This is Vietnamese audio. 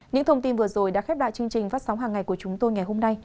những thông tin vừa rồi đã khép lại chương trình phát sóng hàng ngày của chúng tôi ngày hôm nay